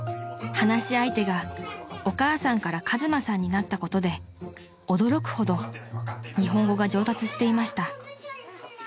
［話し相手がお母さんから和真さんになったことで驚くほど日本語が上達していました］